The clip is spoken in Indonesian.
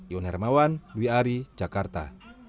ion hermawan dwi ari jakarta